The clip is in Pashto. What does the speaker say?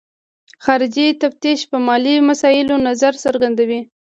خارجي تفتیش په مالي مسایلو نظر څرګندوي.